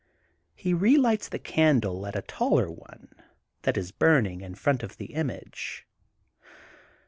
He relights the candle at a taller one that is burning in front of the image.